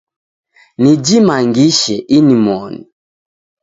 Nijimangishe inimoni